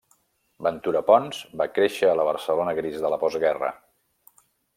Ventura Pons va créixer a la Barcelona gris de la postguerra.